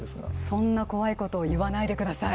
そんな怖いことを言わないでください。